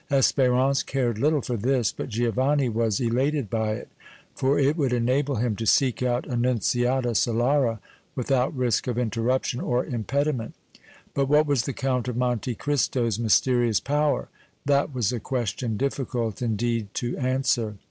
Espérance cared little for this, but Giovanni was elated by it, for it would enable him to seek out Annunziata Solara without risk of interruption or impediment. But what was the Count of Monte Cristo's mysterious power? That was a question difficult, indeed, to answer.